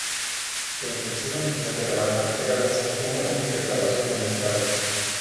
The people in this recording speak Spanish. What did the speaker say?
La intención original de la banda era lanzar una única grabación al mercado.